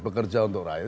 bekerja untuk rakyat